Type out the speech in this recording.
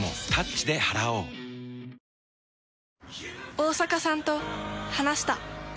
大坂さんと話した。